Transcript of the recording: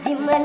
bud mau kan